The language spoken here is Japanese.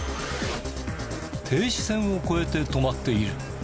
停止線を越えて止まっている。